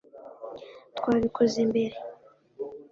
twabikoze mbere